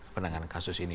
penanganan kasus ini